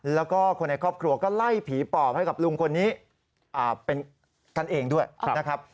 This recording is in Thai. แล้วก็คนในครอบครัวก็ไล่ผีปอบให้กับลุงคนนี้เป็นกันเองด้วยนะครับ